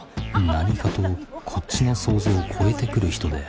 何かとこっちの想像を超えてくる人で。